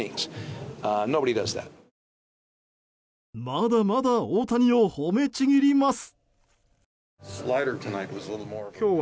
まだまだ大谷を褒めちぎります。